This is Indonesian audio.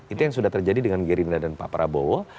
itu yang sudah terjadi dengan gerindra dan pak prabowo